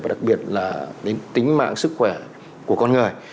và đặc biệt là đến tính mạng sức khỏe của con người